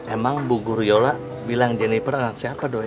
emang bu guru yola bilang jeniper anak siapa doi